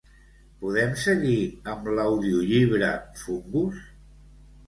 Podem seguir amb l'audiollibre "Fungus"?